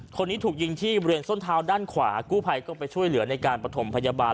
คนนี้ถูกยิงที่บริเวณส้นเท้าด้านขวากู้ภัยก็ไปช่วยเหลือในการประถมพยาบาล